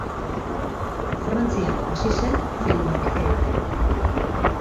Frantzian hasi zen filmak egiten.